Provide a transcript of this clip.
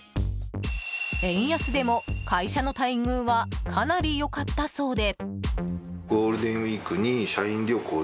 円安でも会社の待遇はかなり良かったそうで。